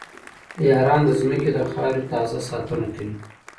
• باران د زمکې د خاورې تازه ساتنه کوي.